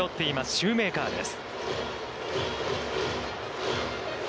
シューメーカーです。